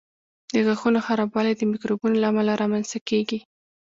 د غاښونو خرابوالی د میکروبونو له امله رامنځته کېږي.